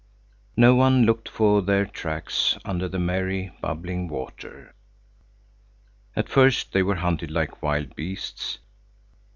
No one looked for their tracks under the merry, bubbling water. At first they were hunted like wild beasts.